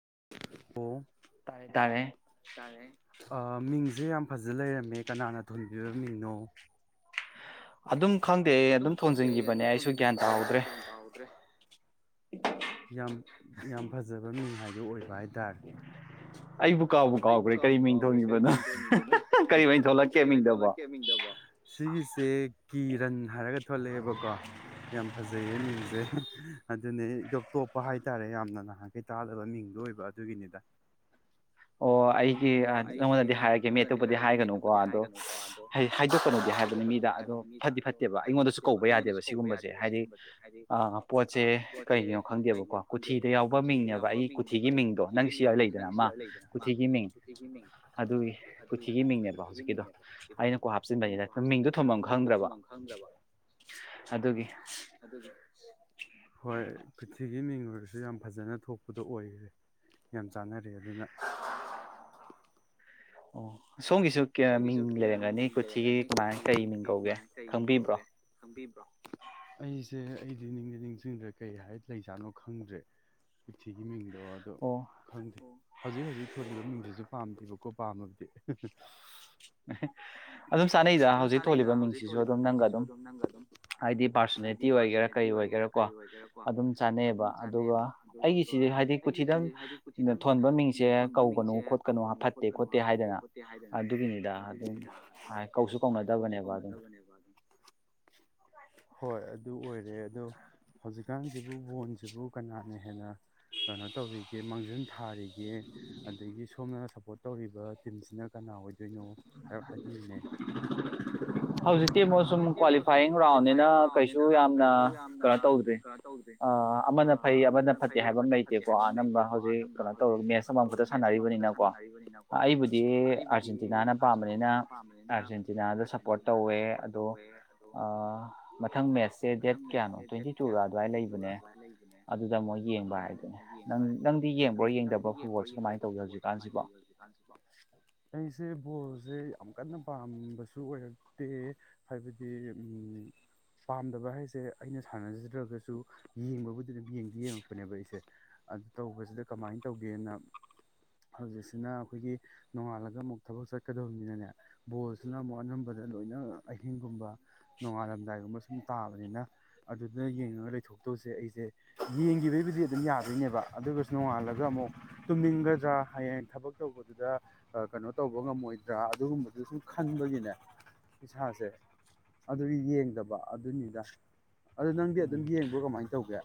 [inaudible] ꯇꯥꯔꯦ ꯇꯥꯔꯦ ꯃꯤꯡꯁꯦ ꯌꯥꯝ ꯐꯖ ꯂꯩꯔꯝꯃꯦ ꯀꯅꯥꯅ ꯊꯣꯟꯕꯤꯕ ꯃꯤꯡꯅꯣ ꯑꯗꯨꯝ ꯈꯪꯗꯦ ꯑꯩ ꯑꯗꯨꯝ ꯊꯣꯟꯖꯤꯟꯈꯤꯕꯅꯦ ꯑꯩꯁꯨ ꯒ꯭ꯌꯥꯟ ꯇꯥꯍꯧꯗ꯭ꯔꯦ ꯌꯥꯝ ꯌꯥꯝ ꯐꯖꯕ ꯃꯤꯡ ꯍꯥꯏꯗꯨ ꯑꯣꯏꯕ ꯍꯥꯏꯇꯥꯔꯦ [inaudible] ꯑꯩꯕꯨ ꯀꯥꯎꯕ ꯀꯥꯎꯈ꯭ꯔꯦ ꯀꯔꯤ ꯃꯤꯡ ꯊꯣꯡꯈꯤꯕꯅꯣ ꯀꯔꯤꯃꯥꯏ ꯊꯣꯂꯛꯀꯦ ꯃꯤꯡꯗꯕ ꯁꯤꯒꯤꯁꯦ ꯀꯤ ꯔꯟ ꯍꯥꯏꯔꯒ ꯊꯣꯛꯂꯛꯑꯦꯕꯀꯣ ꯌꯥꯝ ꯐꯖꯩꯌꯦ ꯃꯤꯡꯁꯦ ꯑꯗꯨꯅꯦ ꯏꯇꯣꯞ ꯇꯣꯞꯄ ꯍꯥꯏꯇꯥꯔꯦ ꯌꯥꯝꯅ ꯅꯍꯥꯟꯈꯩ ꯇꯥꯗꯕ ꯃꯤꯡꯗꯣ ꯑꯣꯏꯕ ꯑꯗꯨꯒꯤꯅꯤꯗ ꯑꯣ ꯑꯩꯒꯤ ꯅꯉꯣꯟꯗꯗꯤ ꯍꯥꯏꯔꯒꯦ ꯃꯦꯠꯇꯨꯕꯨꯗꯤ ꯍꯥꯏꯒꯅꯨꯀꯣ ꯑꯗꯣ ꯍꯥꯏꯗꯣꯛꯀꯅꯨꯗꯤ ꯍꯥꯏꯕꯅꯦ ꯃꯤꯗ ꯑꯗꯣ ꯐꯗꯤ ꯐꯠꯇꯦꯕ ꯑꯩꯉꯣꯟꯗꯁꯨ ꯀꯧꯕ ꯌꯥꯗꯦꯕ ꯁꯤꯒꯨꯝꯕꯁꯦ ꯍꯥꯏꯗꯤ ꯄꯣꯠꯁꯦ ꯀꯩꯒꯤꯅꯣ ꯈꯪꯗꯦꯕꯀꯣ ꯀꯨꯊꯤꯗ ꯌꯥꯎꯕ ꯃꯤꯡꯅꯦꯕ ꯑꯩꯒꯤ ꯀꯨꯊꯤꯒꯤ ꯃꯤꯡꯗꯣ ꯅꯪ ꯁꯤ ꯂꯩꯗꯅ ꯑꯃ ꯀꯊꯤꯒꯤ ꯃꯤꯡ ꯑꯗꯨꯒꯤ ꯀꯊꯤꯒꯤ ꯃꯤꯡꯅꯦꯕ ꯍꯧꯖꯤꯛꯀꯤꯗꯣ ꯑꯩꯅ ꯀꯣ ꯍꯥꯞꯆꯤꯟꯕꯅꯤꯅ ꯃꯤꯡꯗꯣ ꯊꯣꯐꯝꯝ ꯈꯪꯗ꯭ꯔꯕ ꯑꯗꯨꯒꯤ ꯁꯤꯒꯤ ꯃꯤꯡ ꯑꯣꯏꯔꯁꯨ ꯌꯥꯝ ꯐꯖꯅ ꯊꯣꯛꯄꯗ ꯑꯣꯏꯈ꯭ꯔꯦ ꯌꯥꯝ ꯆꯥꯟꯅꯔꯦ ꯑꯗꯨꯅ ꯑꯣ ꯁꯣꯝꯒꯤꯁꯨ ꯀ ꯃꯤꯡ ꯂꯩꯔꯝꯒꯅꯤ ꯀꯃꯥꯏ ꯀꯩ ꯀꯧꯒꯦ ꯈꯪꯕꯤꯕ꯭ꯔꯣ ꯁꯦ ꯑꯩꯗꯤ ꯅꯤꯡꯗꯤ ꯅꯤꯡꯁꯤꯡꯗ꯭ꯔꯦ ꯀꯩ ꯍꯥꯏ ꯂꯩꯖꯥꯠꯅꯣ ꯈꯪꯗ꯭ꯔꯦ ꯄ꯭ꯔꯤꯊꯤꯕꯤꯒꯤ ꯃꯤꯡ ꯑꯗꯣ ꯑꯗꯣ ꯈꯪꯗꯦ ꯍꯧꯖꯤꯛ ꯍꯧꯖꯤꯛ ꯊꯣꯜꯂꯤꯕ ꯃꯤꯡꯁꯤꯁꯨ ꯄꯥꯝꯗ꯭ꯦꯕꯀꯣ ꯄꯥꯝꯃꯕꯗꯤ ꯑꯗꯨꯝ ꯆꯥꯅꯩꯗ ꯍꯧꯖꯤꯛ ꯊꯣꯜꯂꯤꯕ ꯃꯤꯡꯁꯤꯁꯨ ꯑꯗꯨꯝ ꯅꯪꯒ ꯑꯗꯨꯝ ꯍꯥꯏꯗꯤ ꯄꯥꯔꯁꯣꯅꯦꯂꯤꯇꯤ ꯑꯣꯏꯒꯦꯔꯥ ꯀꯩ ꯑꯣꯏꯒꯦꯔꯥꯀꯣ ꯑꯗꯨꯝ ꯆꯥꯅꯩꯑꯕ ꯑꯗꯨꯒ ꯑꯩꯒꯤꯁꯤꯗꯤ ꯍꯥꯏꯗꯤ ꯄꯨꯊꯤꯗꯪ ꯊꯣꯟꯕ ꯃꯤꯡꯁꯦ ꯀꯧꯒꯅꯨ ꯈꯣꯠꯀꯅꯨ ꯍꯥꯐꯠꯇꯦ ꯈꯣꯠꯇꯦ ꯍꯥꯏꯗꯅ ꯍꯥꯏꯗꯅ ꯅꯦ ꯍꯣꯏ ꯑꯗꯨ ꯑꯣꯏꯔꯦ ꯑꯗꯣ ꯍꯧꯖꯤꯛꯀꯥꯟꯁꯤꯕꯨ ꯕꯣꯟꯁꯤꯕꯨ ꯀꯅꯥꯅ ꯍꯦꯟꯅ ꯀꯩꯅꯣ ꯇꯧꯔꯤꯒꯦ ꯃꯥꯡꯖꯤꯟ ꯊꯥꯔꯤꯒꯦ ꯑꯗꯒꯤ ꯁꯣꯝꯅ ꯁꯞꯄꯣꯔꯠ ꯇꯧꯔꯤꯕ ꯇꯤꯝꯁꯤꯅ ꯀꯅꯥ ꯑꯣꯏꯗꯣꯏꯅꯣ ꯍꯥꯏꯕꯤꯌꯨꯅꯦ ꯍꯧꯖꯤꯛꯇꯤ ꯑꯃꯨꯛ ꯁꯨꯝ ꯀ꯭ꯋꯥꯂꯤꯐꯥꯏꯌꯤꯡ ꯔꯥꯎꯟꯅꯤꯅ ꯀꯩꯁꯨ ꯌꯥꯝꯅ ꯀꯩꯅꯣ ꯇꯧꯗ꯭ꯔꯤ ꯑꯃꯅ ꯐꯩ ꯑꯃꯅ ꯐꯠꯇꯦ ꯍꯥꯏꯕ ꯑꯃ ꯂꯩꯇꯦꯀꯣ ꯑꯅꯝꯕ ꯍꯧꯖꯤꯛ ꯀꯩꯅꯣ ꯇꯧꯔꯒ ꯃꯦꯠꯁ ꯑꯃꯃꯝꯈꯛꯇ ꯁꯥꯟꯅꯔꯤꯕꯅꯤꯅꯀꯣ ꯑꯩꯕꯨꯗꯤ ꯗꯤ ꯑꯥꯔꯖꯦꯟꯇꯤꯅꯥꯅ ꯄꯥꯝꯕꯅꯤꯅ ꯑꯥꯔꯖꯦꯟꯇꯤꯅꯥꯗ ꯁꯞꯄꯣꯔꯠ ꯗ ꯁꯞꯄꯣꯔꯠ ꯇꯧꯋꯦ ꯑꯗꯣ ꯃꯊꯪ ꯃꯦꯠꯁꯁꯦ ꯗꯦꯠ ꯀꯌꯥꯅꯣ ꯇ꯭ꯋꯦꯟꯇꯤ ꯇꯨ ꯑꯗꯨꯋꯥꯏ ꯂꯩꯗꯅꯦ ꯑꯗꯨꯗꯪ ꯃꯣꯏ ꯌꯦꯡꯕ ꯍꯥꯏꯅꯦ ꯅꯪꯗꯤ ꯌꯦꯡꯕ꯭ꯔꯣ ꯌꯦꯡꯗꯕ ꯐꯠꯕ ꯁꯨꯃꯥꯏꯅ ꯇꯧꯒꯦ ꯍꯧꯖꯤꯛꯀꯥꯟꯁꯤꯀꯣ ꯦ ꯕꯣꯜꯁꯦ ꯌꯥꯝ ꯀꯟꯅ ꯄꯥꯝꯕꯁꯨ ꯑꯣꯏꯔꯛꯇꯦ ꯍꯥꯏꯕꯗꯤ ꯄꯥꯝꯗꯕ ꯍꯥꯏꯁꯦ ꯑꯩꯅ ꯁꯥꯟꯅꯖꯗ꯭ꯔꯒꯁꯨ ꯌꯦꯡꯕꯕꯨ ꯁꯤ ꯑꯗꯨꯝ ꯌꯦꯡꯕꯤ ꯌꯦꯡꯉꯛꯄꯅꯦꯕ ꯑꯩꯁꯦ ꯑꯗꯨ ꯇꯧꯕꯁꯤꯗ ꯀꯃꯥꯏꯅ ꯇꯧꯒꯦꯅ ꯍꯧꯖꯤꯛꯁꯤꯅ ꯑꯩꯈꯣꯏꯒꯤ ꯅꯣꯡꯉꯥꯂꯒ ꯑꯗꯨꯗ ꯑꯃꯨꯛ ꯊꯕꯛ ꯆꯠꯀꯗꯕꯅꯤꯅꯅꯦ ꯕꯣꯜꯁꯤꯅ ꯑꯃꯨꯛ ꯑꯅꯝꯕꯗ ꯂꯣꯏꯅ ꯑꯍꯤꯡꯒꯨꯝꯕ ꯅꯣꯡꯉꯥꯜꯂꯝꯗꯥꯏꯒꯨꯝꯕ ꯁꯨꯝ ꯇꯥꯕꯅꯤꯅ ꯑꯗꯨꯗ ꯌꯦꯡꯉꯒ ꯂꯩꯊꯣꯛꯇꯧꯁꯦ ꯑꯩꯁꯦ ꯌꯦꯡꯒꯤꯗꯩꯕꯨꯗꯤ ꯑꯗꯨꯝ ꯌꯥꯗꯣꯏꯅꯦꯕ ꯑꯗꯨꯒꯁꯨ ꯅꯣꯡꯉꯥꯜꯂꯒ ꯑꯃꯨꯛ ꯇꯨꯝꯅꯤꯡꯒꯗ꯭ꯔꯥ ꯍꯌꯦꯡ ꯊꯕꯛ ꯇꯧꯕꯗꯨꯗ ꯀꯩꯅꯣ ꯇꯧꯕ ꯉꯝꯃꯣꯏꯗ꯭ꯔꯥ ꯑꯗꯨꯒꯨꯝꯕꯗꯨ ꯁꯨꯝ ꯈꯟꯕꯒꯤꯅꯦ ꯏꯁꯥꯁꯦ ꯑꯗꯨ ꯌꯦꯡꯗꯕ ꯑꯗꯨꯅꯤꯅ ꯑꯗꯣ ꯅꯪꯗꯤ ꯑꯗꯨꯝ ꯌꯦꯡꯕ꯭ꯔꯣ ꯀꯃꯥꯏꯅ ꯇꯧꯒꯦ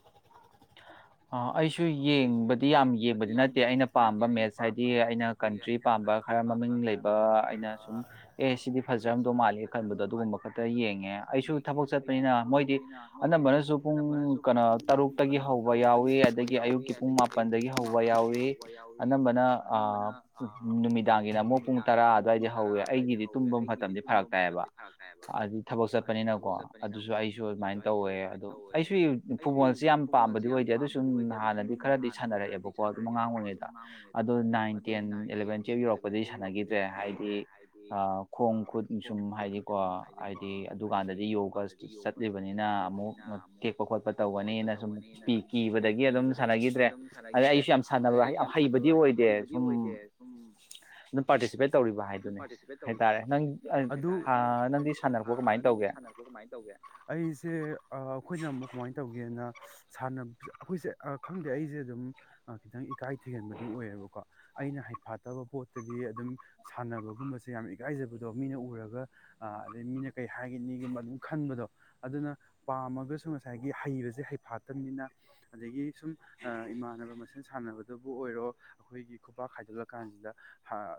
ꯑ ꯑꯩꯁꯨ ꯌꯦꯡꯕꯗꯤ ꯌꯥꯝ ꯌꯦꯡꯕꯗꯤ ꯅꯠꯇꯦ ꯑꯩꯅ ꯄꯥꯝꯕ ꯃꯦꯠꯁ ꯍꯥꯏꯗꯤ ꯑꯩꯅ ꯀꯟꯇ꯭ꯔꯤ ꯄꯥꯝꯕ ꯈꯔ ꯃꯃꯤꯡ ꯂꯩꯕ ꯑꯩꯅ ꯁꯨꯝ ꯑꯦ ꯁꯤꯗꯤ ꯐꯖꯔꯝꯗꯧ ꯃꯥꯜꯂꯦ ꯈꯟꯕꯗꯣ ꯑꯗꯨꯒꯨꯝꯕ ꯈꯛꯇ ꯌꯦꯡꯉꯦ ꯑꯩꯁꯨ ꯊꯕꯛ ꯆꯠꯄꯅꯤꯅ ꯃꯣꯏꯗꯤ ꯑꯅꯝꯕꯅꯁꯨ ꯄꯨꯡ ꯀꯩꯅꯣ ꯇꯔꯨꯛꯇꯒꯤ ꯍ ꯌꯥꯎꯏꯤ ꯑꯗꯒꯤ ꯑꯌꯨꯛꯀꯤ ꯄꯨꯡ ꯃꯥꯄꯟꯗꯒꯤ ꯍꯧꯕ ꯌꯥꯎꯏ ꯑꯅꯝꯕꯅ ꯅꯨꯃꯤꯗꯥꯡꯒꯤꯅ ꯑꯃꯨꯛ ꯄꯨꯡ ꯇꯔꯥ ꯑꯗꯨꯋꯥꯏꯗ ꯍꯧꯋꯦ ꯑꯩꯒꯤꯗꯤ ꯇꯨꯝꯕ ꯃꯇꯝꯗꯤ ꯐꯔꯛ ꯇꯥꯏꯕ ꯑꯗꯨꯗꯤ ꯊꯕꯛ ꯆꯠꯄꯅꯤꯅꯀꯣ ꯑꯗꯨꯁꯨ ꯑꯩꯁꯨ ꯑꯗꯨꯃꯥꯏꯅ ꯇꯧꯋꯦ ꯑꯗꯣ ꯑꯩꯁꯨ ꯐꯨꯠꯕꯣꯜꯁꯤ ꯌꯥꯝ ꯑꯣꯏꯗꯦ ꯑꯗꯨ ꯁꯨꯝ ꯍꯥꯟꯅꯗꯤ ꯈꯔꯗꯤ ꯁꯥꯟꯅꯔꯛꯑꯦꯕꯀꯣ ꯑꯗꯨ ꯑꯉꯥꯡ ꯑꯣꯏꯔꯤꯉꯩꯗ ꯑꯗꯣ ꯅꯥꯏꯟ ꯇꯦꯟ ꯑꯦꯂꯕꯦꯟ ꯇꯨꯌꯦꯦꯜꯞ ꯌꯧꯔꯛꯄꯗꯤ ꯁꯥꯟꯅꯈꯤꯗ꯭ꯔꯦ ꯍꯥꯏꯗꯤ ꯈꯣꯡ ꯈꯨꯠ ꯁꯨꯝ ꯍꯥꯏꯗꯤꯀꯣ ꯍꯥꯏꯗꯤ ꯑꯗꯨꯀꯥꯟꯗꯗꯤ ꯌꯣꯒ ꯆꯠꯂꯤꯕꯅꯤꯅ ꯑꯃꯨꯛ ꯀꯦꯛꯄ ꯈꯣꯠꯄ ꯇꯧꯒꯅꯤꯅ ꯁꯨꯝ ꯀꯤꯕꯗꯒꯤ ꯑꯗꯨꯝ ꯁ ꯑ ꯑꯗꯨꯝ ꯁꯥꯟꯅꯈꯤꯗ꯭ꯔꯦ ꯑ ꯑꯩꯁꯨ ꯌꯥꯝ ꯁꯥꯟꯅꯕ ꯌꯥꯝ ꯍꯩꯕꯗꯤ ꯑꯣꯏꯗꯦ ꯁꯨꯝ ꯑꯗꯨꯝ ꯄꯥꯔꯇꯤꯁꯤꯄꯦꯠ ꯇꯧꯔꯤꯕ ꯍꯥꯏꯕꯗꯨꯅꯦ ꯑꯗꯨ ꯅꯪ ꯁꯥꯟꯅꯕꯦ ꯀꯃꯥꯏ ꯇꯧꯒꯦ ꯑꯩꯁꯦ ꯑꯩꯈꯣꯏꯅ ꯑꯃꯨꯛ ꯀꯃꯥꯏꯅ ꯇꯧꯒꯦꯅ ꯁꯥꯟꯅꯕ ꯑꯩꯈꯣꯏꯁꯦ ꯈꯪꯗꯦ ꯑꯩꯁꯦ ꯑꯗꯨꯝ ꯈꯤꯇꯪ ꯏꯀꯥꯏ ꯊꯤꯒꯟꯕꯗꯨ ꯑꯣꯏꯌꯦꯕꯀꯣ ꯑꯩꯅ ꯍꯩꯐꯥꯠꯇꯕ ꯄꯣꯠꯇꯗꯤ ꯑꯗꯨꯝ ꯁꯥꯟꯅꯕꯒꯨꯝꯕꯁꯦ ꯌꯥꯝꯅ ꯏꯀꯥꯏꯖꯕꯗꯣ ꯃꯤꯅ ꯎꯔꯒ ꯑꯗꯩ ꯃꯤꯅ ꯀꯩ ꯍꯥꯏꯒꯅꯤꯒꯨꯝꯕ ꯑꯗꯨꯝ ꯈꯟꯕꯗꯣ ꯑꯗꯨꯅ ꯄꯥꯝꯃꯒꯁꯨ ꯉꯁꯥꯏꯒꯤ ꯍꯩꯕꯁꯦ ꯍꯩꯐꯥꯠꯇꯕꯅꯤꯅ ꯑꯗꯒꯤ ꯁꯨꯝ ꯏꯃꯥꯟꯅꯕ ꯃꯁꯦꯟ ꯁꯥꯟꯅꯕꯗꯨꯕꯨ ꯑꯣꯏꯔꯣ ꯑꯩꯈꯣꯏꯒꯤ ꯈꯨꯄꯥꯛꯥꯛ ꯈꯥꯏꯗꯣꯛꯂꯀꯥꯟꯁꯤꯗ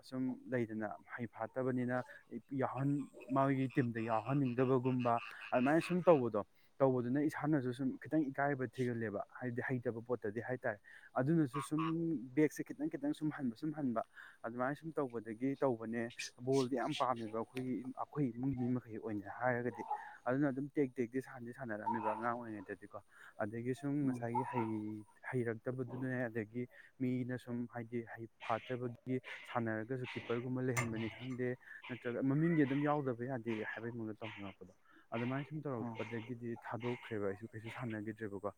ꯁꯨꯝ ꯂꯩꯗꯅ ꯍꯩ ꯐꯥꯠꯇꯕꯅꯤꯅ ꯌꯥꯎꯍꯟ ꯃꯣꯏꯒꯤ ꯇꯤꯝꯗ ꯌꯥꯎꯍꯟꯅꯤꯡꯗꯕꯒꯨꯝꯕ ꯑꯗꯨꯃꯥꯏꯅ ꯁꯨꯝ ꯇꯧꯕꯗꯣ ꯇꯧꯕꯗꯨꯅ ꯏꯁꯥꯅꯁꯨ ꯁꯨꯝ ꯈꯤꯇꯪ ꯏꯀꯥꯏꯕ ꯊꯤꯒꯜꯂꯦꯕ ꯍꯥꯏꯕꯗꯤ ꯍꯩꯇꯕ ꯄꯣꯠꯇ ꯇꯗꯤ ꯍꯥꯏꯇꯥꯔꯦ ꯑꯗꯨꯅꯁꯨ ꯁꯨꯝ ꯕꯦꯦꯛꯁꯦ ꯈꯤꯇꯪ ꯈꯤꯇꯪ ꯁꯨꯝ ꯍꯟꯕ ꯁꯨꯝ ꯍꯟꯕ ꯑꯗꯨꯃꯥꯏꯅ ꯁꯨꯝ ꯇꯧꯕꯗꯒꯤ ꯇꯧꯕꯅꯦ ꯕꯣꯜꯗꯤ ꯌꯥꯝ ꯄꯥꯝꯃꯦꯕ ꯑꯩꯈꯣꯏ ꯑꯩꯈꯣꯏ ꯏꯃꯨꯡ ꯃꯤ ꯃꯈꯩ ꯑꯣꯏꯅ ꯍꯥꯏꯔꯒꯗꯤ ꯑꯗꯨꯅ ꯑꯗꯨꯝ ꯇꯦꯛ ꯇꯦꯛꯇꯤ ꯁꯥꯟꯅꯗꯤ ꯁꯥꯟꯅꯔꯝꯃꯦꯕ ꯑꯉꯥꯡ ꯑꯣꯏꯔꯤꯉꯩꯗꯗꯤꯀꯣ ꯑꯗꯒꯤ ꯁꯨꯝ ꯉꯁꯥꯏꯒꯤ ꯍꯩ ꯍꯩꯔꯛꯇꯕꯗꯨꯅꯦ ꯑꯗꯒꯤ ꯃꯤꯅ ꯁꯨꯝ ꯍꯥꯏꯗꯤ ꯍꯩ ꯐꯥꯠꯇꯕꯒꯤ ꯁꯥꯟꯅꯔꯒꯁꯨ ꯀꯤꯞꯄꯔꯒꯨꯝꯕ ꯂꯩꯍꯟꯕꯅꯤ ꯈꯪꯗꯦ ꯅꯠꯇ꯭ꯔꯒ ꯃꯃꯤꯡꯗꯤ ꯑꯗꯨꯝ ꯌꯥꯎꯗꯕ ꯌꯥꯗꯦ ꯍꯥꯏꯕꯒꯤ ꯃꯉꯗ ꯇꯧꯅꯤꯡꯪꯉꯛꯄꯗꯣ ꯑꯗꯨꯃꯥꯏꯅ ꯁꯨꯝ ꯇꯧꯔꯛꯄꯗꯒꯤꯗꯤ ꯊꯥꯗꯣꯛ ꯈ꯭ꯔꯦꯕ ꯑꯩꯁꯨ ꯀꯩꯁꯨ ꯁꯥꯟꯅꯈꯤꯗ꯭ꯔꯦꯕꯀꯣ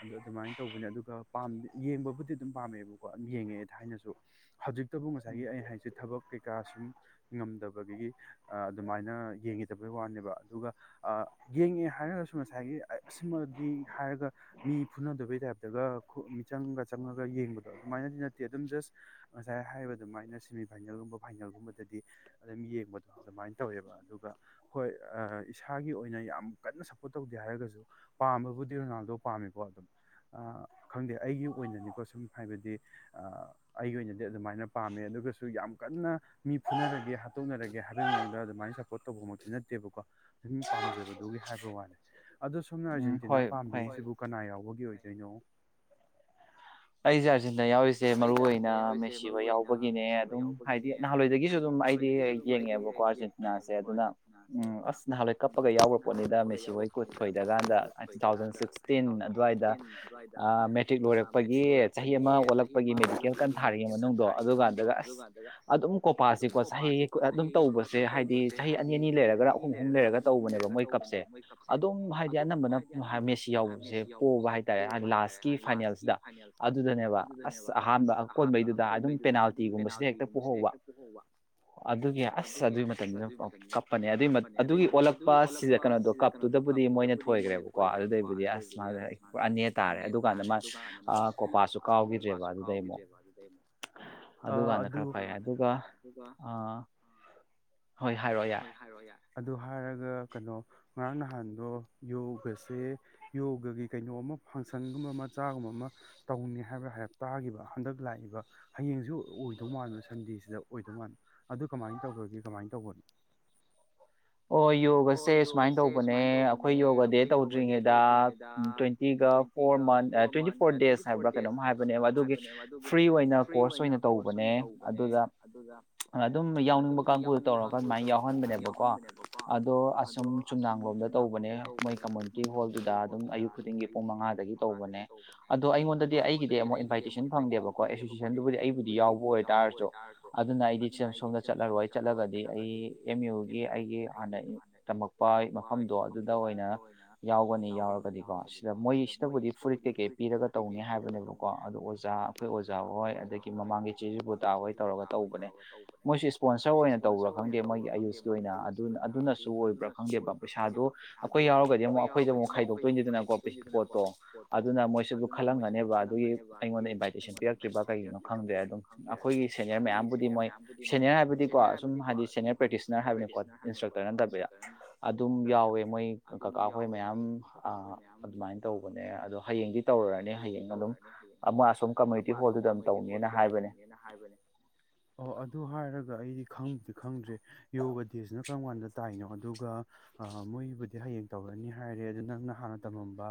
ꯑꯗꯣ ꯑꯗꯨꯃꯥꯏꯅ ꯇꯧꯕ ꯑꯩꯈꯣꯏꯅ ꯑꯗꯨꯒꯝ ꯌꯦꯡꯕꯕꯨꯗꯤ ꯑꯗꯨꯝ ꯄꯥꯝꯃꯦꯕꯀꯣ ꯑꯗꯨꯝ ꯌꯦꯡꯉꯛꯑꯦ ꯊꯥꯏꯅꯁꯨ ꯍꯧꯖꯤꯛꯇꯕꯨ ꯉꯁꯥꯏꯒꯤ ꯑ ꯍꯥꯏꯁꯦ ꯊꯕꯛ ꯀꯩꯀꯥ ꯁꯨꯝ ꯉꯝꯗꯕꯒꯤ ꯑꯗꯨꯃꯥꯏꯅꯡꯉꯤ ꯐꯖꯕꯒꯤ ꯋꯥꯅꯦꯕ ꯑꯗꯨꯒ ꯌꯦꯡꯉꯦ ꯍꯥꯏꯔꯒꯁꯨ ꯉꯁꯥꯏꯒꯤ ꯑꯁꯤꯃꯗꯤ ꯍꯥꯏꯔꯒ ꯃꯤ ꯐꯨꯅꯗꯕꯩ ꯇꯥꯏꯞ ꯇꯒ ꯃꯤꯆꯪꯒ ꯆꯪꯉꯒ ꯌꯦꯡꯕꯗꯣ ꯑꯗꯨꯃꯥꯏꯅꯗꯤ ꯅꯠꯇꯦ ꯑꯗꯨꯝ ꯖꯁ ꯉꯁꯥꯏ ꯍꯥꯏꯔꯤꯕ ꯑꯗꯨꯃꯥꯏꯅ ꯁꯦꯃꯤꯐꯥꯏꯅꯦꯜꯒꯨꯝꯕ ꯐꯥꯏꯅꯦꯜꯒꯨꯝꯕꯗꯗꯤ ꯑꯗꯨꯝ ꯌꯦꯡꯕꯗꯣ ꯑꯗꯨꯃꯥꯏꯅ ꯇꯧꯋꯦꯕ ꯑꯗꯨꯒ ꯍꯣꯏ ꯏꯁꯥꯒꯤ ꯑꯣꯏꯅ ꯌꯥꯝ ꯀꯟꯅ ꯁꯞꯄꯣꯔꯠ ꯇꯧꯗꯦ ꯍꯥꯏꯔꯒꯁꯨ ꯄꯥꯝꯕꯕꯨꯗꯤ ꯔꯣꯅꯥꯜꯗꯣ ꯄꯥꯝꯃꯦꯀꯣ ꯑꯗꯨꯝ ꯈꯪꯗꯦ ꯑꯩꯒꯤ ꯑꯣꯏꯅꯅꯤꯀꯣ ꯁꯨꯝ ꯍꯥꯏꯕꯗꯤ ꯑ ꯑꯩꯒ ꯑꯗꯨꯃꯥꯏꯅ ꯄꯥꯝꯃꯦ ꯑꯗꯨꯒꯁꯨ ꯌꯥꯝ ꯀꯟꯅ ꯃꯤ ꯐꯨꯅꯔꯒꯦ ꯍꯥꯠꯇꯣꯛꯅꯔꯒꯦ ꯍꯥꯏꯕꯒꯤ ꯃꯑꯣꯡꯗ ꯑꯗꯨꯃꯥꯏꯅ ꯁꯞꯄꯣꯔꯠ ꯇꯧꯕꯃꯛꯇꯤ ꯅꯠꯇꯦꯕꯀꯣ ꯁꯨꯝ ꯄꯥꯝꯖꯕꯗꯨꯒꯤ ꯍꯥꯏꯕ ꯋꯥꯅꯤ ꯑꯗꯣ ꯁꯣꯝꯅ ꯑꯥꯔꯖꯦꯟꯇꯤꯅꯥ ꯄꯥꯝꯕꯤꯔꯤꯁꯤꯕꯨ ꯀꯅꯥ ꯌꯥꯎꯕ ꯃꯤꯑꯣꯏ ꯀꯣꯏꯩꯅꯣ ꯑꯩꯁ ꯑꯥꯔꯖꯦꯟꯇ ꯌꯥꯎꯔꯤꯁꯦ ꯃꯔꯨꯏ ꯑꯣꯏꯅ ꯃꯦꯁꯤ ꯍꯣꯏ ꯌꯥꯎꯕꯒꯤꯅꯦ ꯑꯗꯨꯝ ꯍꯥꯏꯗꯤ ꯅꯍꯥꯟꯋꯥꯏꯗꯒꯤꯁꯨ ꯑꯗꯨꯝ ꯑꯩꯗꯤ ꯌꯦꯡꯉꯦꯕꯀꯣ ꯑꯥꯔꯖꯦꯟꯇꯤꯅꯥꯁꯦ ꯑꯗꯨꯅ ꯎꯝ ꯑꯁ ꯅꯍꯥꯟꯋꯥꯏ ꯀꯞꯄꯒ ꯌꯥꯎꯈ꯭ꯔ ꯄꯣꯠꯅꯤꯗ ꯃꯦꯁꯤ ꯍꯣꯏ ꯀꯨꯠ ꯊꯣꯏꯗꯀꯥꯟꯗ ꯇꯨ ꯊꯥꯎꯖꯟ ꯁꯤꯛꯁꯇꯤꯟ ꯑꯗꯨꯋꯥꯏꯗ ꯃꯦꯇ꯭ꯔꯤꯛ ꯂꯣꯏꯔꯛꯄ ꯌꯦ ꯆꯍꯤ ꯑꯃ ꯀꯞꯄꯒꯤ ꯃꯦꯗꯤꯀꯦꯜ ꯀꯟꯅ ꯊꯥꯔꯤꯉꯩ ꯃꯅꯨꯡꯗꯣ ꯑꯗꯨ ꯀꯥꯟꯗꯨꯗꯒ ꯑꯁ ꯑꯗꯨꯝ ꯀꯣꯄꯥꯁꯤꯀꯣ ꯆꯍꯤꯒꯤ ꯑꯗꯨꯝ ꯇꯧꯕꯁꯦ ꯍꯥꯏꯗꯤ ꯆꯍꯤ ꯑꯅꯤ ꯑꯅꯤ ꯂꯩꯔꯒꯔ ꯑꯍꯨꯝ ꯑꯍꯨꯝ ꯂꯩꯔꯒ ꯇꯧꯕꯅꯦꯕ ꯃꯣꯏ ꯀꯞꯁꯦ ꯑꯗꯨꯝ ꯍꯥꯏꯗꯤ ꯑꯅꯝꯕꯅ ꯃꯦꯁꯤ ꯌꯥꯎꯕꯁꯦ ꯄꯣꯕ ꯍꯥꯏꯇꯥꯔꯦꯗꯤ ꯂꯥꯁꯀꯤ ꯐꯥꯏꯅꯦꯜꯁꯤꯗ ꯑꯗꯨ ꯑꯗꯨ ꯅꯦꯕ ꯑꯁ ꯑꯍꯥꯟꯕ ꯑꯀꯣꯟꯕꯩꯗꯨꯗ ꯑꯗꯨꯝ ꯄꯦꯅꯥꯜꯇꯤꯒꯨꯝꯕꯁꯤꯗ ꯍꯦꯛꯇ ꯄꯣꯍꯧꯕ ꯑꯗꯨꯒꯤ ꯑꯁ ꯑꯗꯨꯏ ꯃꯇꯝ ꯀꯞꯄꯅꯦ ꯑꯗꯨꯒꯤ ꯑꯗꯨꯒꯤ ꯑꯣꯜꯂꯛꯄ ꯁꯤꯗ ꯀꯩꯅꯣꯗꯣ ꯀꯞꯇꯨꯗꯕꯨꯗꯤ ꯃꯣꯏꯅ ꯊꯣꯏꯈ꯭ꯔꯦꯕꯀꯣ ꯑꯗꯨꯗꯩꯕꯨꯗꯤ ꯑꯁ ꯃꯥꯅ ꯄꯨꯔꯥ ꯅꯦꯇꯥꯔꯦ ꯑꯗꯨꯀꯥꯟꯗ ꯃꯥ ꯑ ꯀꯣꯄꯥꯁꯨ ꯀꯥꯎꯒꯤ ꯃꯥꯁꯨ ꯀꯥꯎꯈꯤꯗ꯭ꯔꯦꯕ ꯑꯗꯨꯗꯩ ꯑꯗꯨꯝ ꯑꯥ ꯑꯗꯨ ꯀꯥꯟꯗ ꯈꯔ ꯐꯩ ꯑꯗꯨꯒ꯫ ꯍꯣꯏ ꯍꯥꯏꯔꯛꯑꯣ ꯌꯥꯔꯦ꯫ ꯑꯗꯨ ꯍꯥꯏꯔꯒ ꯀꯩꯅꯣ ꯉꯔꯥꯡ ꯅꯍꯥꯟꯗꯣ ꯌꯣꯒꯁꯦ ꯌꯣꯒꯒꯤ ꯀꯩꯅꯣ ꯑꯃ ꯐꯪꯁꯟꯒꯨꯝꯕ ꯃꯆꯥꯒꯨꯝꯕ ꯑꯃ ꯇꯧꯅꯤ ꯍꯥꯏꯕ ꯍꯥꯏꯔꯞ ꯇꯥꯈꯤꯕ ꯍꯟꯗꯛ ꯂꯥꯛꯏꯕ ꯍꯌꯦꯡꯁꯨ ꯑꯣꯏꯗꯧ ꯃꯥꯜꯂꯣ ꯁꯟꯗꯦꯁꯤꯗ ꯑꯣꯏꯗꯧ ꯃꯥꯜꯂꯣ ꯑꯗꯨ ꯀꯃꯥꯏꯅ ꯇꯧꯈ꯭ꯔꯒꯦ ꯀꯃꯥꯏꯅ ꯇꯧꯒꯅꯣ꯫ ꯑꯣ ꯌꯣꯒꯁꯦ ꯁꯨꯃꯥꯏꯅ ꯇꯧꯕꯅꯦ ꯑꯩꯈꯣꯏ ꯌꯣꯒꯗꯦ ꯇꯧꯗ꯭ꯔꯤꯉꯩꯗ ꯇ꯭ꯋꯦꯟꯇꯤꯒ ꯐꯣꯔ ꯃꯟ ꯑꯥ ꯇ꯭ꯋꯦꯟꯇꯤ ꯐꯣꯔ ꯗꯦꯖ ꯍꯥꯏꯕ꯭ꯔꯥ ꯀꯩꯅꯣꯝ ꯍꯥꯏꯕꯅꯦꯕ ꯑꯗꯨꯒꯤ ꯐ꯭ꯔꯤ ꯑꯣꯏꯅ ꯀꯣꯔꯁ ꯑꯣꯏꯅ ꯇꯧꯕꯅꯦ ꯑꯗꯨꯗ ꯑꯗꯨꯝ ꯌꯥꯎꯅꯤꯡꯕ ꯀꯥꯡꯕꯨꯗ ꯇꯧꯔꯒ ꯑꯗꯨꯃꯥꯏꯅ ꯌꯥꯎꯍꯟꯕꯅꯦꯕꯀꯣ꯫ ꯑꯗꯣ ꯑꯁꯨꯝ ꯆꯨꯝꯅꯥꯡꯂꯣꯝꯗ ꯇꯧꯕꯅꯦ ꯃꯣꯏ ꯀꯝꯃꯨꯅꯤꯇꯤ ꯍꯣꯜꯗꯨꯗ ꯑꯗꯨꯝ ꯑꯌꯨꯛ ꯈꯨꯗꯤꯡꯒꯤ ꯄꯨꯡ ꯃꯉꯥꯗꯒꯤ ꯇꯧꯕꯅꯦ ꯑꯗꯣ ꯑꯩꯉꯣꯟꯗꯗꯤ ꯑꯩꯒꯤꯗꯤ ꯑꯃꯨꯛ ꯏꯟꯚꯥꯏꯇꯦꯁꯟ ꯐꯪꯗꯦꯕꯀꯣ ꯑꯦꯁꯣꯁꯤꯌꯦꯁꯟꯗꯨꯕꯨꯗꯤ ꯑꯩꯕꯨꯗꯤ ꯌꯥꯎꯕ ꯑꯣꯏ ꯇꯥꯔꯁꯨ ꯑꯗꯨꯅ ꯑꯩꯗꯤ [unintelligible] ꯁꯣꯝꯗ ꯆꯠꯂꯔꯣꯏ ꯆꯠꯂꯒꯗꯤ ꯑꯩ ꯑꯦꯝ_ꯌꯨ ꯒꯤ ꯑꯩꯒꯤ꯫ ꯑꯩꯒꯤ꯫ ꯇꯝꯃꯛꯄ ꯃꯐꯝꯗꯣ ꯑꯗꯨꯗ ꯑꯣꯏꯅ ꯌꯥꯎꯒꯅꯤ ꯌꯥꯎꯔꯒꯗꯤꯀꯣ ꯁꯤꯗ ꯃꯣꯏ ꯁꯤꯗꯕꯨꯗꯤ ꯐꯨꯔꯤꯠ ꯇꯤꯀꯦꯠ ꯄꯤꯔꯒ ꯇꯧꯅꯤ ꯍꯥꯏꯕꯅꯦꯕꯀꯣ ꯑꯗꯨ ꯑꯣꯖꯥ ꯑꯩꯈꯣꯏ ꯑꯣꯖꯥ ꯍꯣꯏ ꯑꯗꯒꯤ ꯃꯃꯥꯡꯒꯤ ꯏꯆꯦꯖꯕꯨꯇꯥꯥ ꯍꯣꯏ ꯇꯧꯔꯒ ꯇꯧꯕꯅꯦ ꯃꯣꯏꯁꯨ ꯏꯁꯄꯣꯟꯁꯔ ꯑꯣꯏꯅ ꯇꯧꯕ꯭ꯔꯥ ꯈꯪꯗꯦ ꯃꯣꯏꯒꯤ ꯑꯌꯨꯁꯀꯤ ꯑꯣꯏꯅ꯫ ꯑꯗꯨꯅ ꯑꯗꯨꯅꯁꯨ ꯑꯗꯨꯅꯁꯨ ꯑꯣꯏꯕ꯭ꯔꯥ ꯈꯪꯗꯦꯕ ꯄꯩꯁꯥꯗꯨ ꯑꯩꯈꯣꯏ ꯌꯥꯎꯔꯒꯗꯤ ꯑꯃꯨꯛ ꯑꯩꯈꯣꯏꯗ ꯑꯃꯨꯛ ꯈꯥꯏꯗꯣꯛꯇꯣꯏꯅꯤꯗꯅꯀꯣ ꯄꯣꯠꯇꯣ ꯑꯗꯨꯅ ꯃꯣꯏꯁꯤꯁꯨ ꯈꯜꯂꯝꯒꯅꯦꯕ ꯑꯗꯨꯒꯤ ꯑꯩꯉꯣꯟꯗ ꯏꯟꯚꯥꯏꯇꯦꯁꯟ ꯄꯤꯔꯛꯇ꯭ꯔꯤꯕ ꯀꯩꯒꯤꯅꯣ ꯈꯪꯗ꯭ꯔꯦ ꯑꯗꯨꯝ ꯑꯩꯈꯣꯏꯒꯤ ꯁꯦꯅꯤꯌꯔ ꯃꯌꯥꯝꯕꯨꯗꯤ ꯃꯣꯏ ꯁꯦꯅꯤꯌꯔ ꯍꯥꯏꯕꯗꯤꯀꯣ ꯁꯨꯝ ꯍꯥꯏꯗꯤ ꯁꯦꯅꯤꯌꯔ ꯄ꯭ꯔꯦꯛꯇꯤꯁꯅꯔ ꯍꯥꯏꯕꯅꯤꯀꯣ꯫ [unintelligible] ꯑꯗꯨꯝ ꯌꯥꯎꯋꯦ ꯃꯣꯏ ꯀꯀꯥ ꯑꯩꯈꯣꯏ ꯃꯌꯥꯝ ꯑꯗꯨꯃꯥꯏꯅ ꯇꯧꯕꯅꯦ ꯑ ꯍꯌꯦꯡꯗꯤ ꯇꯧꯔꯔꯅꯤ ꯍꯌꯦꯡ ꯑꯗꯨꯝ ꯑꯃ ꯑꯁꯨꯝ ꯀꯝꯃꯨꯅꯤꯇꯤ ꯍꯣꯜꯗꯨ ꯇꯧꯅꯦꯅ ꯍꯥꯏꯕꯅꯦ ꯑꯣ ꯑꯗꯨ ꯍꯥꯏꯔ ꯑꯗꯨꯒ ꯑꯩ ꯈꯪꯕꯨꯗꯤ ꯈꯪꯗ꯭ꯔꯦ ꯌꯣꯒ ꯗꯦꯁꯤꯅ ꯀꯔꯝ ꯀꯥꯟꯗ ꯇꯥꯏꯅꯣ ꯑꯗꯨꯒ ꯃꯣꯏꯕꯨꯗꯤ ꯍꯌꯦꯡ ꯇꯧꯔꯅꯤ ꯍꯥꯏꯔꯦ ꯑꯗꯨ ꯅꯪꯅ ꯍꯥꯟꯅ ꯇꯝꯃꯝꯕ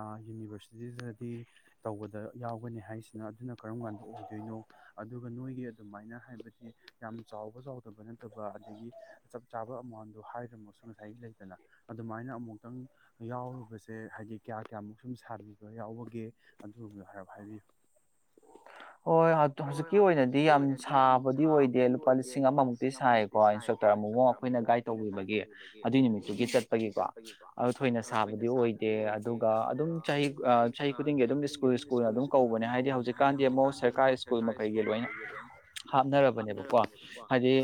ꯑꯥ ꯌꯨꯅꯤꯕꯔꯁꯤꯇꯤꯁꯤꯗꯗꯤ ꯇꯧꯕꯗ ꯌꯥꯎꯒꯅꯤ ꯍꯥꯏꯁꯤꯅ ꯑꯗꯨꯅ ꯀꯔꯝ ꯀꯥꯟꯗ ꯑꯣꯏꯗꯣꯏꯅꯣ ꯑꯗꯨꯒ ꯅꯣꯏꯒꯤ ꯑꯗꯨꯃꯥꯏꯅ ꯍꯥꯏꯕꯗꯤ ꯌꯥꯝ ꯆꯥꯎꯕ ꯆꯥꯎꯗꯕ ꯅꯠꯇꯕ ꯑꯗꯒꯤ ꯆꯞ ꯆꯥꯕ ꯑꯃꯥꯎꯟ꯫ ꯑꯗꯨ ꯍꯥꯏꯗ꯭ꯔꯃꯁꯨ ꯉꯁꯥꯏ ꯂꯩꯗꯅ ꯑꯗꯨꯃꯥꯏꯅ ꯑꯃꯨꯛꯇꯪ ꯌꯥꯎꯔꯨꯕꯁꯦ ꯍꯥꯏꯗꯤ ꯀꯌꯥ ꯀꯌꯥꯃꯨꯛ ꯁꯨꯝ ꯁꯥꯕꯤꯕ ꯌꯥꯎꯕꯒꯦ ꯑꯗꯨꯕꯗꯣ ꯍꯥꯏꯔꯞ ꯍꯥꯏꯕꯤꯌꯨ꯫ ꯍꯣꯏ ꯍꯥꯇꯨ ꯍꯧꯖꯤꯛꯀꯤ ꯑꯣꯏꯅꯗꯤ ꯌꯥꯝ ꯁꯥꯕꯗꯤ ꯑꯣꯏꯗꯦ ꯂꯨꯄꯥ ꯂꯤꯁꯤꯡ ꯑꯃꯃꯨꯛꯇꯤ ꯁꯥꯏꯌꯦꯀꯣ ꯏꯟꯁꯇ꯭ꯔꯛꯇꯔ ꯑꯃꯨꯃꯨꯛ ꯑꯩꯈꯣꯏꯅ ꯒꯥꯏꯗ ꯇꯧꯕꯤꯕꯒꯤ ꯑꯗꯨꯏ ꯅꯨꯃꯤꯠꯇꯨꯒꯤ ꯆꯠꯄꯒꯤꯀꯣ ꯑꯗꯨ ꯊꯣꯏꯅ ꯁꯥꯕꯗꯤ ꯑꯣꯏꯗꯦ ꯑꯗꯨꯒ ꯑꯗꯨꯝ ꯆꯍꯤ ꯆꯍꯤ ꯈꯨꯗꯤꯡꯒꯤ ꯑꯗꯨꯝ ꯁ꯭ꯀꯨꯜ ꯁ꯭ꯀꯨꯜꯅ ꯑꯗꯨꯝ ꯀꯧꯕꯅꯦ ꯍꯥꯏꯗꯤ ꯍꯧꯖꯤꯛꯀꯥꯟꯗꯤ ꯃꯣꯁ ꯁ꯭ꯀꯨꯜ ꯃꯈꯩꯒꯤ ꯂꯣꯏꯅ ꯍꯥꯞꯅꯔꯕꯅꯦꯕꯅꯦꯀꯣ ꯍꯥꯏꯗꯤ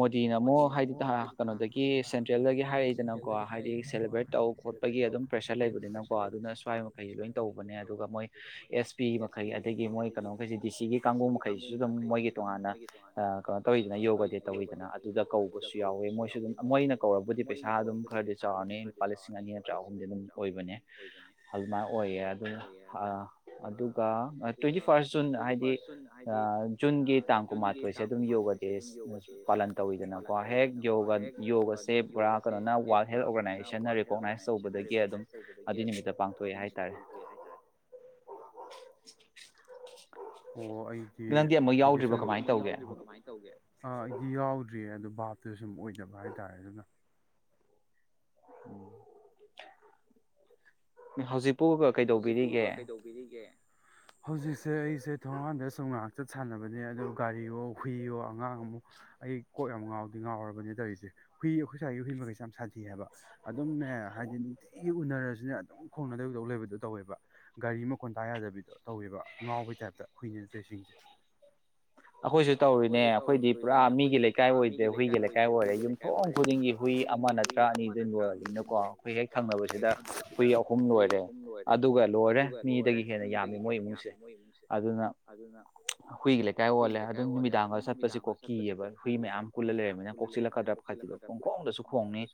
ꯃꯣꯗꯤꯅ ꯑꯃꯨꯛ ꯍꯥꯏꯗꯤ ꯀꯩꯅꯣꯗꯒꯤ ꯁꯦꯟꯇ꯭ꯔꯦꯜꯗꯒꯤ ꯍꯥꯏꯔꯛꯏꯗꯅꯀꯣ ꯍꯥꯏꯗꯤ ꯁꯦꯂꯦꯕ꯭ꯔꯦꯠ ꯇꯧ ꯈꯣꯠꯄꯒꯤ ꯑꯗꯨꯝ ꯄ꯭ꯔꯦꯁꯔ ꯂꯩꯕꯅꯤꯅꯀꯣ ꯑꯗꯨꯅ ꯁ꯭ꯋꯥꯏ ꯃꯈꯩ ꯂꯣꯏꯅ ꯇꯧꯕꯅꯦ ꯑꯗꯨꯒ ꯃꯣꯏ ꯑꯦꯁ_ꯄꯤ ꯃꯈꯩ ꯑꯗꯒꯤ ꯃꯣꯏ ꯀꯩꯅꯣ꯫ ꯃꯈꯩꯁꯨ ꯑꯗꯨꯝ ꯃꯣꯏꯒꯤ ꯇꯣꯉꯥꯟꯅ ꯑꯥ ꯀꯩꯅꯣ ꯇꯧꯋꯤꯗꯅ ꯌꯣꯒ ꯗꯦ ꯇꯧꯋꯤꯗꯅ ꯑꯗꯨꯗ ꯀꯧꯕꯁꯨ ꯌꯥꯎꯋꯦ ꯃꯣꯏꯁꯨ ꯑꯗꯨꯝ ꯃꯣꯏꯅ ꯀꯧꯔꯕꯨꯗꯤ ꯄꯩꯁꯥ ꯑꯗꯨꯝ ꯈꯔꯗꯤ ꯆꯥꯎꯔꯅꯤ ꯂꯨꯄꯥ ꯂꯤꯁꯤꯡ ꯑꯅꯤ ꯇꯔꯥ ꯑꯍꯨꯝꯗꯤ ꯑꯗꯨꯝ ꯑꯣꯏꯕꯅꯦ ꯑꯗꯨꯃꯥꯏꯅ ꯑꯣꯏꯌꯦ ꯑꯥ ꯑꯗꯨ ꯑꯗꯨꯒ ꯇ꯭ꯋꯦꯟꯇꯤ ꯐꯥꯔꯁ꯫ ꯅ ꯍꯥꯏ ꯐꯥꯔꯁ ꯖꯨꯟ ꯍꯥꯏꯗꯤ ꯖꯨꯟꯒꯤ ꯇꯥꯡ ꯀꯨꯟꯃꯥꯊꯣꯏꯁꯦ ꯑꯗꯨꯝ ꯌꯣꯒ ꯗꯦ ꯄꯥꯂꯟ ꯇꯧꯋꯤꯗꯅꯀꯣ ꯍꯦꯛ ꯌꯣ ꯌꯣꯒꯁꯦ ꯍꯦꯛ ꯄꯨꯔꯥ ꯀꯩꯅꯣꯅ ꯋꯥꯔꯜ ꯍꯦꯜ ꯑꯣꯔꯒꯅꯥꯏꯖꯦꯁꯟꯅ ꯔꯤꯀꯣꯛꯅꯥꯏꯁ ꯇꯧꯕꯗꯒꯤ ꯑꯗꯨꯝ ꯑꯗꯨꯒꯤ ꯅꯨꯃꯤꯠꯇꯊ ꯍꯥꯏꯇꯥꯔꯦ꯫ ꯑꯣ ꯑꯩꯗꯤ ꯍꯥꯏꯗꯤꯁꯨꯝ ꯌꯥꯎꯗ꯭ꯔꯤꯕ ꯀꯃꯥꯏ ꯇꯧꯒꯦ꯫ ꯑꯥ ꯑꯩꯗꯤ ꯌꯥꯎꯗ꯭ꯔꯤꯌꯦ ꯑꯗꯨ ꯚꯥꯞꯇꯨ ꯁꯨꯝ ꯑꯣꯏꯗꯕ ꯍꯥꯏꯇꯥꯔꯦ ꯑꯗꯨꯅ꯫ ꯎꯝ꯫ ꯍꯧꯖꯤꯕ ꯍꯧꯖꯤꯛꯄꯨꯒ ꯀꯩꯗꯧꯕꯤꯔꯤꯒꯦ꯫ ꯍꯧꯖꯤꯛꯁꯦ ꯑꯩꯁꯦ ꯊꯣꯡꯉꯥꯟꯗ ꯁꯨꯝ ꯉꯥꯏꯍꯥꯛ ꯆꯠ ꯁꯥꯟꯅꯕꯅꯦ ꯑꯗꯨ ꯒꯥꯔꯤꯌꯣ ꯍꯨꯏꯌꯣ ꯑꯉꯥꯡ ꯑꯃꯨꯛ ꯑꯩ ꯀꯣꯛ ꯌꯥꯝ ꯉꯥꯎꯗꯤ ꯉꯥꯎꯔꯕꯅꯦ ꯇꯧꯔꯤꯁꯦ ꯍꯨꯏ ꯑꯩꯈꯣꯏ ꯁ꯭ꯋꯥꯏꯒꯤ ꯍꯨꯏ ꯃꯈꯩꯁꯦ ꯌꯥꯝ ꯁꯥꯊꯤ ꯍꯥꯏꯕ ꯑꯗꯨꯝꯅꯦ ꯍꯥꯏꯗꯤ ꯅꯨꯡꯇꯤꯒꯤ ꯎꯅꯔꯁꯨꯅꯦ ꯑꯗꯨꯝ ꯈꯣꯡꯅꯗꯧꯗꯧ ꯂꯩꯕꯗ꯫ ꯑꯗꯨ ꯇꯧꯋꯦꯕ ꯒꯥꯔꯤ ꯃꯈꯣꯟ ꯇꯥ ꯌꯥꯗꯕꯤꯗꯣ ꯇꯧꯋꯦꯕ ꯉꯥꯎꯕꯩ ꯇꯥꯏꯞꯇ ꯍꯨꯏꯅꯦ ꯇꯧꯔꯤꯁꯤꯡꯁꯦ꯫ ꯑꯩꯈꯣꯏꯁꯨ ꯇꯧꯔꯤꯅꯦ ꯑꯩꯈꯣꯏꯗꯤ ꯄꯨꯔꯥ ꯃꯤꯒꯤ ꯂꯩꯀꯥꯏ ꯑꯣꯏꯗ꯭ꯔꯦ ꯍꯨꯏꯒꯤ ꯂꯩꯀꯥꯏ ꯑꯣꯏꯔꯦ ꯌꯨꯝꯊꯣꯡ ꯈꯨꯗꯤꯡꯒꯤ ꯍꯨꯏ ꯑꯃ ꯅꯠꯇ꯭ꯔꯥ ꯑꯅꯤꯗꯨ ꯂꯣꯏꯔꯕꯅꯤꯅꯀꯣ ꯑꯩꯈꯣꯏ ꯍꯦꯛ ꯊꯪꯅꯕꯁꯤꯗ ꯍꯨꯏ ꯑꯍꯨꯝ ꯂꯣꯏꯔꯦ꯫ ꯑꯗꯨꯒ ꯂꯣꯏꯔꯦ ꯃꯤꯗꯒꯤ ꯍꯦꯟꯅ ꯌꯥꯝꯃꯤ ꯃꯣꯏ ꯏꯃꯨꯡꯁꯦ ꯑꯗꯨꯅ ꯍꯨꯏꯒꯤ ꯂꯩ [unintelligible] ꯑꯣꯜꯂꯦ ꯑꯗꯨꯝ ꯅꯨꯃꯤꯗꯥꯡꯒ ꯆꯠꯄꯁꯤ ꯀꯣ ꯀꯤꯌꯦꯕ ꯍꯨꯏ ꯃꯌꯥꯝ ꯄꯨꯜꯂ ꯂꯩꯔꯝꯅꯤꯅ ꯀꯣꯛꯆꯤꯛꯂꯛꯀꯗ꯭ꯔ [unintelligible] ꯄꯨꯡ ꯈꯣꯡꯗꯁꯨ ꯈꯣꯡꯅꯤ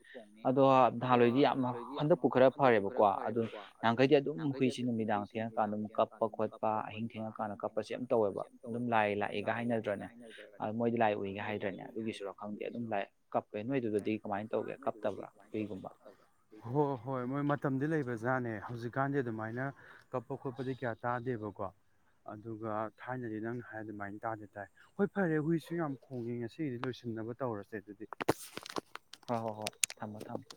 ꯑꯗꯣ ꯅꯍꯥꯟꯋꯥꯏꯗꯤ ꯌꯥꯝ ꯍꯟꯗꯛꯄꯨ ꯈꯔ ꯐꯔꯦꯕꯀꯣ ꯑꯗꯨ ꯅꯍꯥꯟꯋꯥꯏꯗꯤ ꯌꯥꯝ ꯍꯟꯗꯛꯄꯨ ꯈꯔ ꯐꯔꯦꯕꯀꯣ ꯑꯗꯨ꯫ ꯌꯥꯍꯡꯈꯩꯗꯤ ꯑꯗꯨꯝ ꯍꯨꯏꯁꯦ ꯅꯨꯃꯤꯗꯥꯡ ꯊꯦꯡꯉꯀꯥꯟꯗ ꯑꯗꯨꯝ ꯀꯞꯄ ꯈꯣꯠꯄ ꯑꯍꯤꯡ ꯊꯦꯡꯉꯀꯥꯟꯗ ꯀꯞꯄꯁꯦ ꯌꯥꯝ ꯇꯧꯋꯦꯕ ꯂꯥꯏ ꯂꯥꯛꯏꯒ ꯍꯥꯏꯅꯗ꯭ꯔꯒꯅꯦꯣꯏꯗꯤ ꯂꯥꯏꯏꯒ ꯍꯥꯏꯗ꯭ꯔ ꯍꯣꯏ ꯍꯣꯏ ꯃꯣꯏ ꯃꯇꯝꯗꯤ ꯂꯩ ꯑꯣꯖꯥꯅꯦ ꯍꯧꯖꯤꯛꯀꯥꯟꯗꯤ ꯑꯗꯨꯃꯥꯏꯅ ꯀꯞꯄ ꯈꯣꯠꯄꯗꯤ ꯀꯌꯥ ꯇꯥꯗꯦꯕꯀꯣ ꯑꯗꯨꯒ ꯊꯥꯏꯅꯗꯤ ꯅꯪ ꯍꯥꯏ ꯑꯗꯨꯃꯥꯏꯅ ꯇꯥꯗꯦ ꯇꯥꯏ ꯍꯣꯏ ꯐꯔꯦ ꯍꯨꯏꯁꯨ ꯌꯥꯝ ꯈꯣꯡꯉꯡꯉꯁꯤ ꯁꯤꯗꯤ ꯂꯣꯏꯁꯤꯟꯅꯕ ꯇꯧꯔꯁꯦ ꯑꯗꯨꯗꯤ ꯍ ꯍꯣꯏ ꯍꯣꯏ ꯊꯝꯃꯣ ꯊꯝꯃꯣ